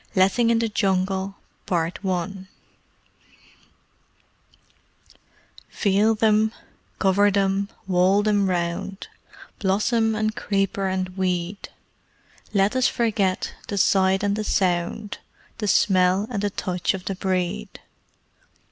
LETTING IN THE JUNGLE Veil them, cover them, wall them round Blossom, and creeper, and weed Let us forget the sight and the sound, The smell and the touch of the breed!